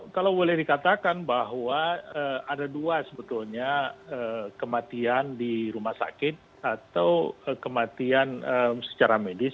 kalau boleh dikatakan bahwa ada dua sebetulnya kematian di rumah sakit atau kematian secara medis